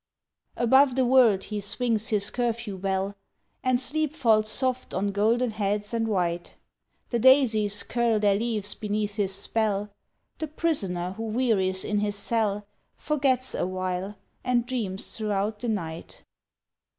Above the world he swings his curfew bell, And sleep falls soft on golden heads and white; The daisies curl their leaves beneath his spell, The prisoner who wearies in his cell Forgets awhile, and dreams throughout the night.